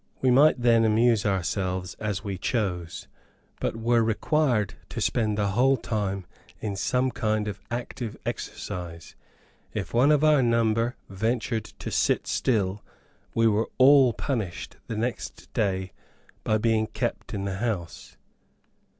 We might then amuse ourselves as we chose, but were required to spend the whole time in some kind of active exercise; if one of our number ventured to sit still, we were all punished the next day by being kept in the house.